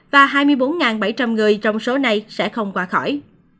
và hai mươi bốn bảy trăm linh người trong số này sẽ không qua khỏi